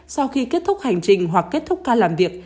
sau khi kết thúc hành trình hoặc kết thúc ca làm việc